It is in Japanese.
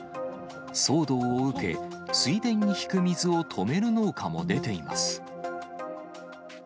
騒動を受け、水田に引く水を止める農家も出ています。